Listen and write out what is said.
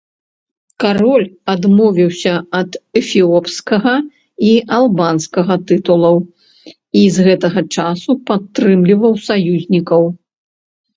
Кароль адмовіўся ад эфіопскага і албанскага тытулаў і з гэтага часу падтрымліваў саюзнікаў.